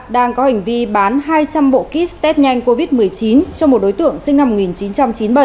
đang có hành vi bán hai trăm linh bộ kit test nhanh covid một mươi chín cho một đối tượng sinh năm một nghìn chín trăm chín mươi bảy